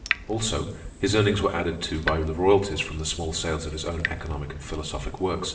Also, his earnings were added to by the royalties from the small sales of his own economic and philosophic works.